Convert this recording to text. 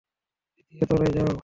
দ্বিতীয় তলায় যাও।